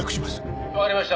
「わかりました。